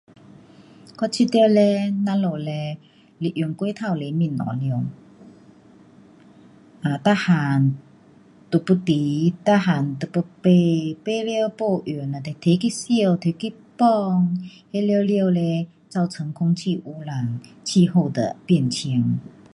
我觉得嘞，我们嘞是用过头多东西了。um 每样都被要，每样都被买，买了没用呐就拿去烧拿去丢，那了了嘞造成空气污染，气候的变迁。